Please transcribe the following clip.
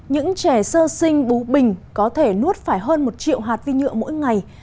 những trẻ sơ sinh bú bình có thể nuốt phải hơn một triệu hạt vi nhựa mỗi ngày